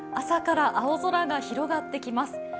朝から青空が広がってきます。